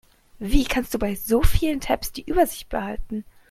Wie kannst du bei so vielen Tabs die Übersicht behalten?